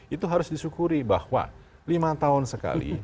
itu harus disyukuri bahwa lima tahun sekali